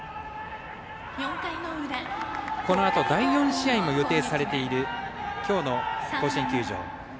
このあと第４試合も予定されているきょうの甲子園球場。